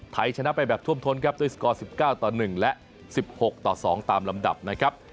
ไทยชนะไปแบบท่วมท้นครับด้วยสกอร์๑๙ต่อ๑และ๑๖ต่อ๒ตามลำดับนะครับ